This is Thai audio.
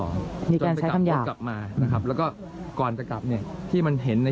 นี่การใช้คำหยาบ